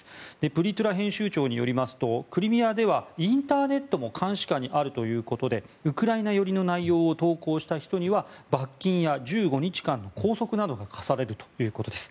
プリトゥラ編集長によりますとクリミアではインターネットも監視下にあるということでウクライナ寄りの内容を投稿した人には罰金や１５日間の拘束などが科されるということです。